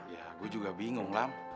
ya gue juga bingung lah